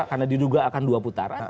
karena diduga akan dua putaran